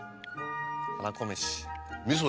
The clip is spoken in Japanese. はらこ飯。